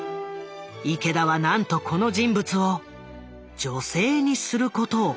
池田はなんとこの人物を女性にすることを決めた。